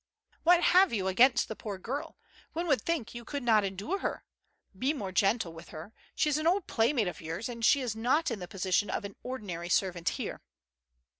'' What have you against the poor girl? One would think that you could not endure her. Be more gentle with her. She is an old playmate of yours, and she is not in the position of an ordinary servant here.